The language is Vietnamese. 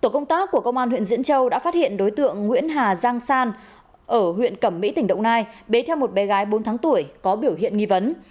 tổ công tác của công an huyện diễn châu đã phát hiện đối tượng nguyễn hà giang san ở huyện cẩm mỹ tỉnh đồng nai bế theo một bé gái bốn tháng tuổi có biểu hiện nghi vấn